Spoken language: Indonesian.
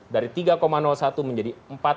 dari tiga satu menjadi empat tiga